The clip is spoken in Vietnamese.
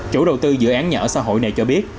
chủ đầu tư dự án nhà ở xã hội này cho biết